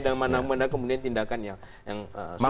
dan mana mana kemudian tindakan yang sudah benar